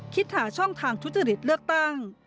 หาช่องทางทุจริตเลือกตั้ง